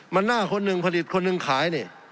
มันหน้าคนหนึ่งผลิตคนหนึ่งขายนี่